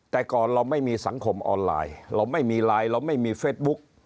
แต่ก่อนเราไม่มีสังคมออนไลน์เราไม่มีไลน์เราไม่มีเฟสบุ๊ก